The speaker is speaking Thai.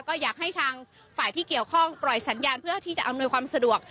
ก็อยากให้ทางฝ่ายที่เกี่ยวข้องปล่อยสัญญาณเพื่อที่จะอำนวยความสะดวก